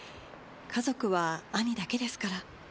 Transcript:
家族は兄だけですから。